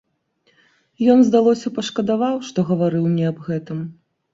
Ён, здалося, пашкадаваў, што гаварыў мне аб гэтым.